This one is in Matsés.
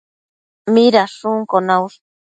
Midashunquio naush?